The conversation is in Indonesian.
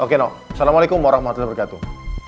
oke assalamualaikum warahmatullahi wabarakatuh